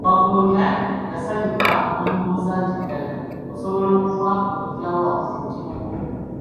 Waggoonya yasanyuka n'amubuuza nti, ddala osobola okuwa kojja wange omutima gwo?